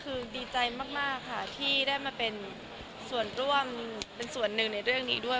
ก็เรื่องภารกิจรักคือดีใจมากค่ะที่ได้มาเป็นส่วนร่วมเป็นส่วนหนึ่งในเรื่องนี้ด้วย